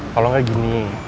kalau gak gini